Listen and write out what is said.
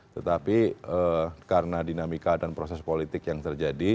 tetapi karena dinamika dan proses politik yang terjadi